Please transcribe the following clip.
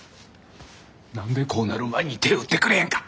何でこうなる前に手打ってくれへんかったんや。